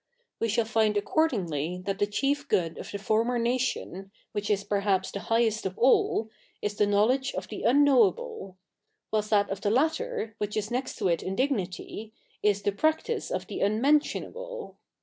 We shall find accordifiglv that the chief good of the former nation^ which is perhaps the highest of all, is the kfiowledge of the unknowable ; ivhilst that of the latter, which is next to it in dignity, is the pi actice of the unmefitionable.